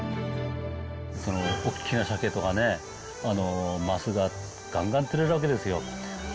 大きなサケとかね、マスががんがん釣れるわけですよ。